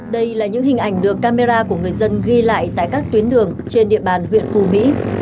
đây là những hình ảnh được camera của người dân ghi lại tại các tuyến đường trên địa bàn huyện phù mỹ